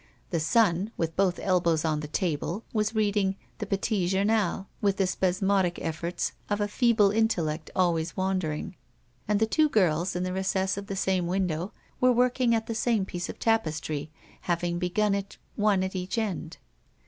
The son, with both elbows on the table, was reading the "Petit Journal" with the spasmodic efforts of a feeble intellect always wandering; and the two girls, in the recess of the same window, were working at the same piece of tapestry, having begun it one at each end.